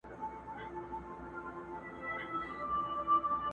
د عقل بندیوانو د حساب کړۍ ماتېږي٫